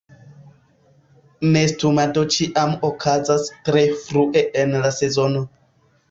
Nestumado ĉiam okazas tre frue en la sezono.